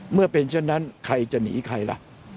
เมื่อเป็นเช่นนั้นใครจะหนีใครล่ะ